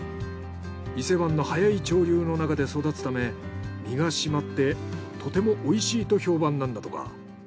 伊勢湾の早い潮流の中で育つため身が締まってとても美味しいと評判なんだとか。